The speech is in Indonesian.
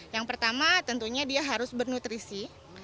yang pertama tentunya dia harus bernutrisi